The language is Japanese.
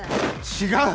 違う！